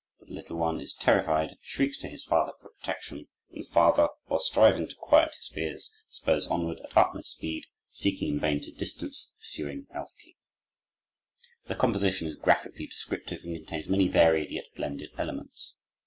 But the little one is terrified, shrieks to his father for protection; and the father, while striving to quiet his fears, spurs onward at utmost speed, seeking in vain to distance the pursuing Elf King. The composition is graphically descriptive and contains many varied, yet blended elements.